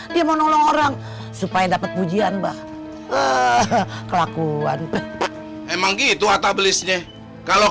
dimonong orang supaya dapat pujian bah kelakuan memang gitu atabelisnya kalau